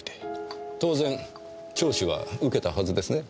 当然聴取は受けたはずですね。